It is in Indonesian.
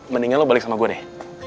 mendingan lo balik sama gue deh